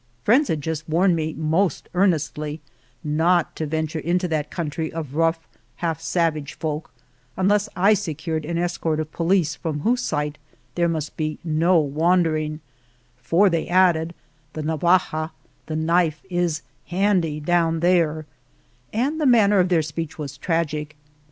Friends had just warned me most earnestly not to venture into that country of rough, half savage folk unless I secured an escort of police from whose sight there must be no wandering, "for,*' they added, "the navaja [the knife] is handy down there ;" and the manner of their speech was tragic.